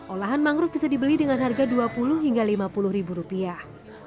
olahan mangrove bisa dibeli dengan harga dua puluh hingga lima puluh ribu rupiah